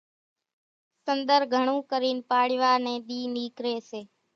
سنۮر گھڻون ڪرين پاڙِويا ني ۮي نيڪري سي